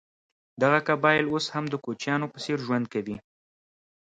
دغه قبایل اوس هم د کوچیانو په څېر ژوند کوي.